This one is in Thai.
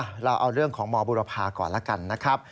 เราเอาเรื่องของหมอบุรพาก่อนแล้วกันนะครับ